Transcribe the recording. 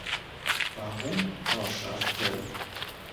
Warum, Herr Chastel?